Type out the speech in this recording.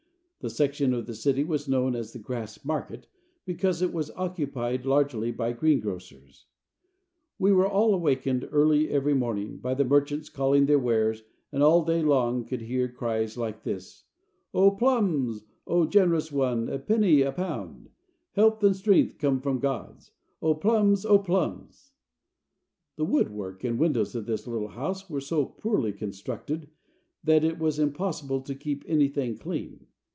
The section of the city was known as the Grass Market, because it was occupied largely by greengrocers. We were awakened early every morning by the merchants calling their wares and all day long could hear cries like this: "Oh, plums, O generous one, a penny a pound: health and strength come from God, Oh, plums, Oh, plums." The woodwork and windows of this little house were so poorly constructed that it was impossible to keep anything clean.